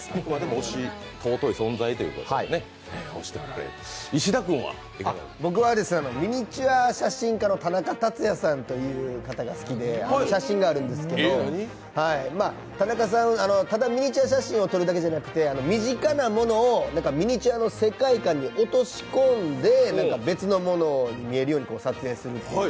推し、尊い存在ということで僕はミニチュア写真家の田中達也さんという方が好きで、写真があるんですけど、田中さん、ただミニチュア写真を撮るだけじゃなくて身近なものをミニチュアの世界観に落とし込んで別のものに見えるように撮影する。